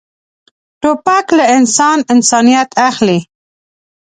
توپک له انسان انسانیت اخلي.